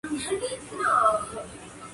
Muchos de sus filmes se consideran perdidos.